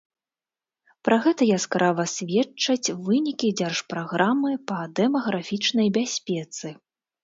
Пра гэта яскрава сведчаць вынікі дзяржпраграмы па дэмаграфічнай бяспецы.